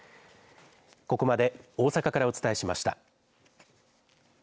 ここまで大阪からお伝えしました。